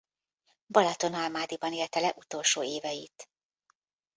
Balatonalmádiban élte le utolsó éveit.